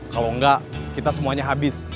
kalau enggak kita semuanya habis